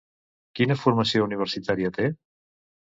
Quina formació universitària té?